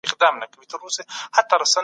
هغه څوک چي ډېر لولي ښه ليکل کولای سي.